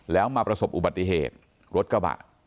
แล้วมาประสบอุบัติเหตุรถกระบะ